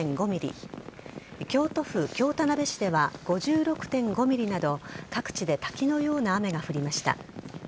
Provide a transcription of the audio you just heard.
京都府京田辺市では５６．５ｍｍなど各地で滝のような雨が降りました。